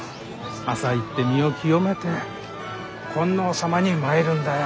朝行って身を清めて金王様に参るんだよ。